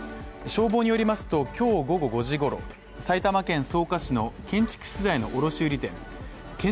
消防によりますと今日午後５時ごろ埼玉県草加市の建築資材の卸売店建